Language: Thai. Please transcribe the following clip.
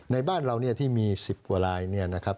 ในบ้านเราที่มี๑๐กว่ารายนี่นะครับ